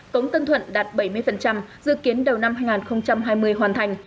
cống tân thuận đạt bảy mươi dự kiến đầu năm hai nghìn hai mươi hoàn thành